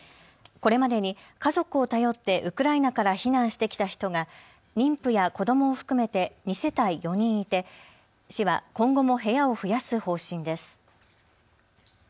これまでに家族を頼ってウクライナから避難してきた人が妊婦や子どもを含めて２世帯４人いて市は今後も部屋を増やす方針です。